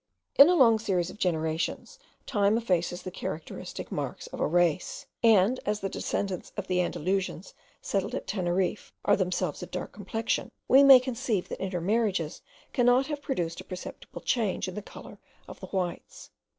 In a long series of generations time effaces the characteristic marks of a race; and as the descendants of the Andalusians settled at Teneriffe are themselves of dark complexion, we may conceive that intermarriages cannot have produced a perceptible change in the colour of the whites.